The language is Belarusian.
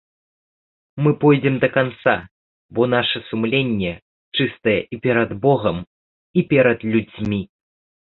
Мы пойдзем да канца, бо наша сумленне чыстае і перад богам, і перад людзьмі.